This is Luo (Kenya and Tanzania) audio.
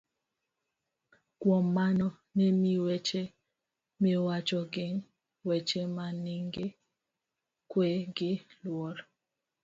Kuom mano, ne ni weche miwacho gin weche manigi kwe gi luor,